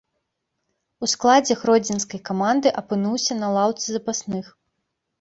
У складзе гродзенскай каманды апынуўся на лаўцы запасных.